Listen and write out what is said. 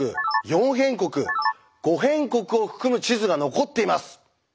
「四辺国」「五辺国」を含む地図が残っています。